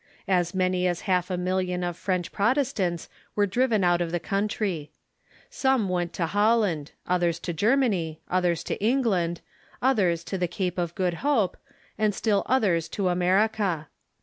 As many as half a million of French Protestants were driven out of tlie country. Some went to Holland, others to Germany, others to England, oth ers to the Cape of Good Hope, and still others to America.